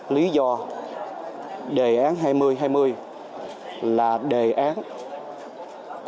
lý do đề án hai nghìn hai mươi là đề án của quốc hội đã thông qua bộ và những cơ quan khác